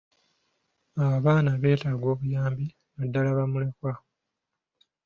Abaana beetaaga obuyambi naddaala bamulekwa.